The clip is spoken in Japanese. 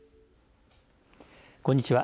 こんにちは。